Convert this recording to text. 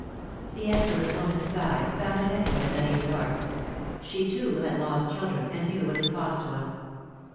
'^ The excellent woman's sigh found an echo in Marie's heart. She, too, had lost children, and knew what it costs one.